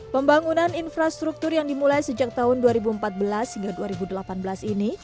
pembangunan infrastruktur yang dimulai sejak tahun dua ribu empat belas hingga dua ribu delapan belas ini